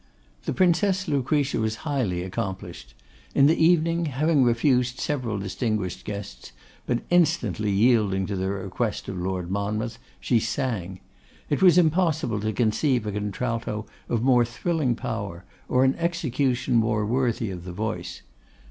The Princess Lucretia was highly accomplished. In the evening, having refused several distinguished guests, but instantly yielding to the request of Lord Monmouth, she sang. It was impossible to conceive a contralto of more thrilling power, or an execution more worthy of the voice.